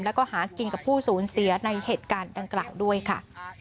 แล้วก็หากินกับผู้สูญเสียในเหตุการณ์ดังกล่าวด้วยค่ะ